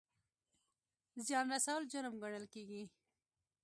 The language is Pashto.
زیان رسول جرم ګڼل کیږي